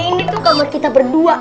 ini tuh kamar kita berdua